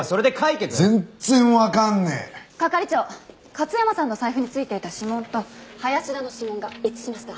勝山さんの財布に付いていた指紋と林田の指紋が一致しました。